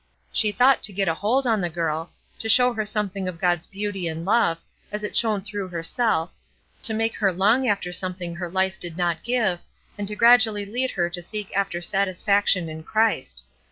She thought to get a hold on the girl; to show her something of God's beauty and love, as it shone through herself; to make her long after something her life did not give, and to gradually lead her to seek after satisfaction in Christ.